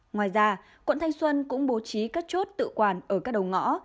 ngoài ra quận thanh xuân cũng bố trí các chốt tự quản ở các đầu ngõ